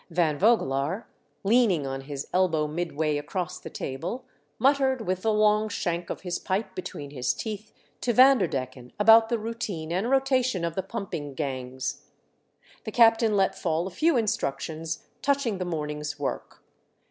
Van Vogelaar, leaning on his elbow midway across the table, muttered with the long shank of his pipe between his teeth to Vanderdecken about the routine and rota tion of the pumping gangs. The captain let fall a few instructions touching the morning's work.